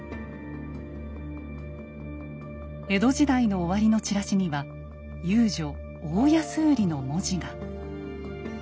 江戸時代の終わりのチラシには「遊女大安売り」の文字が。